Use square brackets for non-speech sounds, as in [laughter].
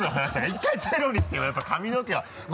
１回ゼロにしてもやっぱ髪の毛は [laughs]